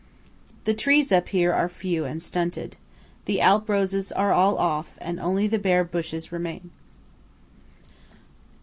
The trees up here are few and stunted. The Alp roses are all off and only the bare bushes remain.